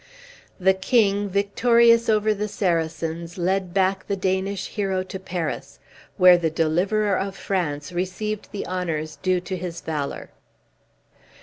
The king, victorious over the Saracens, led back the Danish hero to Paris, where the deliverer of France received the honors due to his valor.